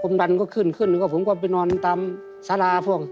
ผมดันก็ขึ้นขึ้นก็ผมก็ไปนอนตามสาราพวก